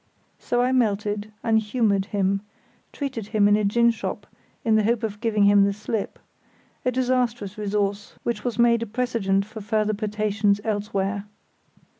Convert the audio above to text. So I melted, and humoured him; treated him in a ginshop in the hope of giving him the slip—a disastrous resource, which was made a precedent for further potations elsewhere.